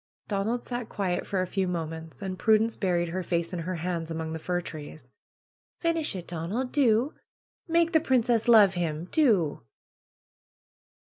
Donald sat quiet for a few minutes. And Prudence buried her face in her hands, among the fir trees. ^'Finish it, Donald ! Do ! Make the princess love him! Do!"